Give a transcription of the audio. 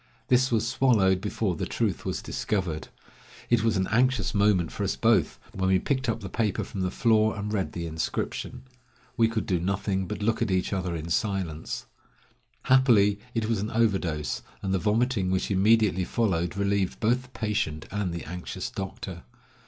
This was swallowed before the truth was discovered. It was an anxious moment for us both when we picked up the paper from the floor and read the inscription. We could do nothing but look at each other in silence. Happily it was an overdose, and the vomiting which immediately followed relieved both the patient and the anxious doctor.